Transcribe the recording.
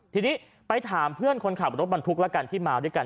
ทีนี้ไปถามเพื่อนคนขับรถบรรทุกแล้วกันที่มาด้วยกัน